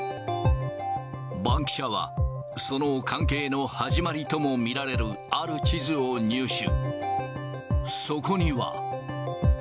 バンキシャは、その関係の始まりとも見られる、ある地図を入手。